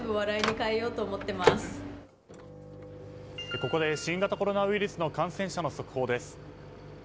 ここで新型コロナウイルスの感染者の速報です。